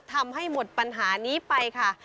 ทำให้หมดปัญหานี้ไปค่ะ